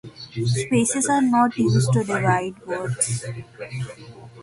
Spaces are not used to divide words.